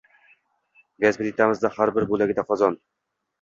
Gaz plitamizni har bir bo‘lagida qozon.